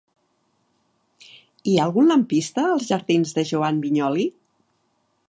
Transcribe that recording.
Hi ha algun lampista als jardins de Joan Vinyoli?